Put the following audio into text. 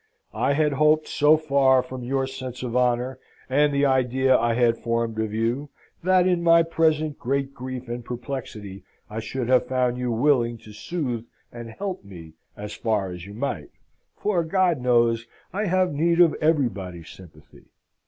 I had hoped so far from your sense of honour, and the idea I had formed of you, that, in my present great grief and perplexity, I should have found you willing to soothe and help me as far as you might for, God knows, I have need of everybody's sympathy.